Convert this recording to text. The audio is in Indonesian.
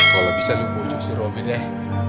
kalau bisa lu bocok si robby deh